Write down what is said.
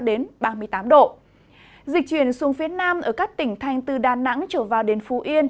dịch chuyển xuống phía nam ở các tỉnh thành từ đà nẵng trở vào đến phú yên